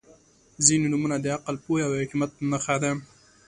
• ځینې نومونه د عقل، پوهې او حکمت نښه ده.